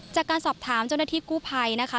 จากการสอบถามเจ้าหน้าที่กู้ภัยนะคะ